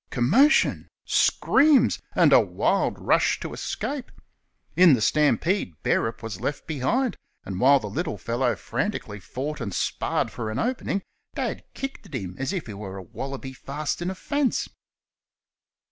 Commotion! screams! and a wild rush to escape. In the stampede Bearup was left behind, and while the little fellow frantically fought and sparred for an opening, Dad kicked at him as if he were a wallaby fast in a fence.